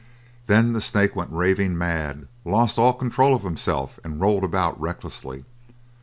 Then that snake went raving mad, lost all control of himself, and rolled about recklessly.